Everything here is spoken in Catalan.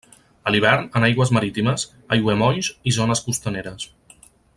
A l'hivern en aigües marítimes, aiguamolls i zones costaneres.